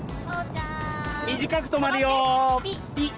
短く止まるよピッ！